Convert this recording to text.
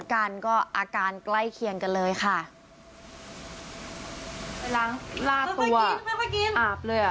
จริงหรอนี่ไหนมาฉีดในค่วงน้ำอ่ะ